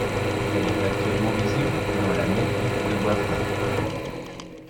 Elle est actuellement visible dans la mairie de Wavrin.